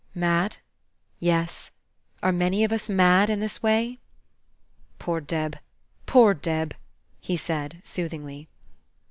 Mad? Yes! Are many of us mad in this way? "Poor Deb! poor Deb!" he said, soothingly.